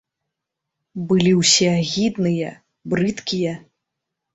Былі ўсе агідныя, брыдкія.